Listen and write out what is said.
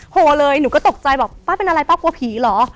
โหเลยหนูก็ตกใจบอกป้าเป็นอะไรป้ากลัวผีเหรอ